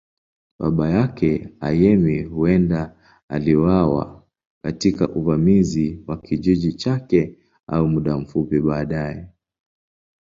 Baba yake, Ayemi, huenda aliuawa katika uvamizi wa kijiji chake au muda mfupi baadaye.